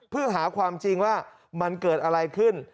เพื่อหาความจริงว่ามันเกิดอะไรขึ้น